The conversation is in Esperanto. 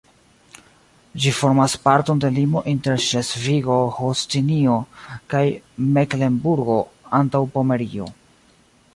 Ĝi formas parton de limo inter Ŝlesvigo-Holstinio kaj Meklenburgo-Antaŭpomerio.